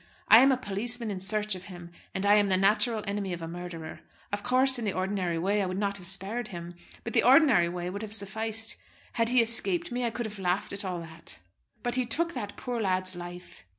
I am a policeman in search of him, and am the natural enemy of a murderer. Of course in the ordinary way I would not have spared him; but the ordinary way would have sufficed. Had he escaped me I could have laughed at all that. But he took that poor lad's life!"